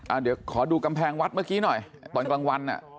เดี๋ยวขอดูกำแพงวัดเมื่อกี้หน่อยตอนกลางวันอ่ะ